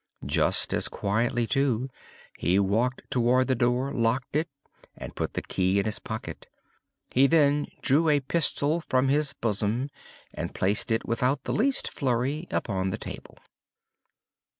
Just as quietly, too, he walked toward the door, locked it and put the key in his pocket. He then drew a pistol from his bosom and placed it, without the least flurry, upon the table.